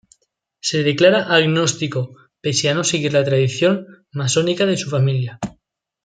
Se declara agnóstico, pese a no seguir la tradición masónica de su familia.